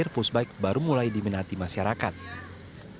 diberi peluang untuk mencari peluang untuk mencari peluang untuk mencari peluang